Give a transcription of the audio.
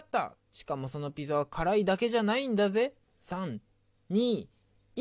しかもそのピザは辛いだけじゃないんだぜ。